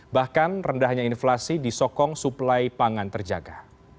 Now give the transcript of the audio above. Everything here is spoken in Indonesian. bahkan rendahnya inflasi disokong suplai pangan terjaga